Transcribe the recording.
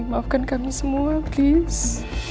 maafkan kami semua please